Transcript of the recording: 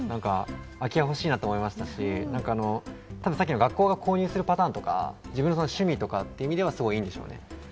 空き家、欲しいなと思いましたし、学校が購入するパターンとか、自分の趣味という意味でいいでしょうね。